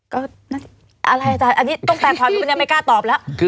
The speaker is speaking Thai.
ก็อะไรจ๊ะอันนี้ต้องแปลงความว่าไม่ไม่กล้าตอบละ